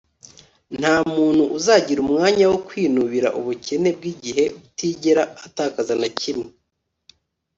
ntamuntu uzagira umwanya wo kwinubira ubukene bwigihe utigera atakaza na kimwe